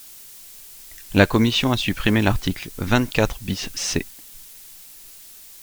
La commission a supprimé l’article vingt-quatre bis C.